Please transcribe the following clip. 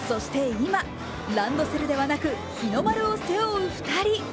今、ランドセルではなく日の丸を背負う２人。